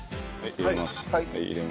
入れまーす。